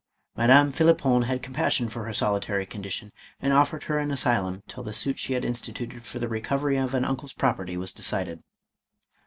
Madame Phlippon had compassion for her solitary con dition, and offered her an asylum till the suit she had instituted for the recovery of an uncle's property was decided.